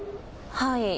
はい。